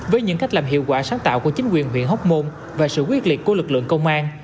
với những cách làm hiệu quả sáng tạo của chính quyền huyện hóc môn và sự quyết liệt của lực lượng công an